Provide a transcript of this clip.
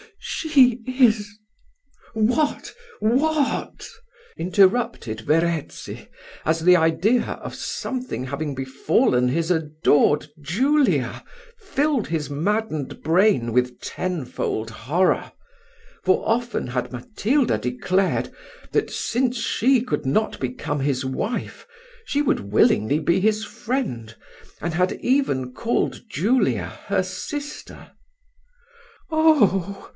she is " "What! what!" interrupted Verezzi, as the idea of something having befallen his adored Julia filled his maddened brain with tenfold horror: for often had Matilda declared, that since she could not become his wife, she would willingly be his friend, and had even called Julia her sister. "Oh!"